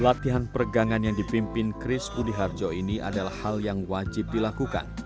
latihan peregangan yang dipimpin chris budiharjo ini adalah hal yang wajib dilakukan